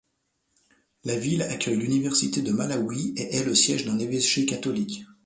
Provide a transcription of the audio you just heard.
La ville accueille l'université du Malawi et est le siège d'un évêché catholique.